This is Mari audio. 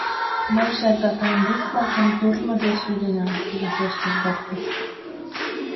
— Мый шергакан лист-влакым туржмо деч лӱдынам, — вашештыш доктор.